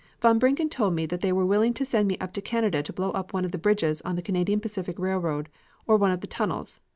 "Von Brincken told me that they were willing to send me up to Canada to blow up one of the bridges on the Canadian Pacific Railroad or one of the tunnels.